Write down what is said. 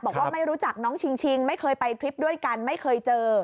บอกว่าไม่รู้จักน้องชิงชิงไม่เคยไปทริปด้วยกันไม่เคยเจอ